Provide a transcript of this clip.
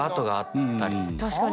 確かに。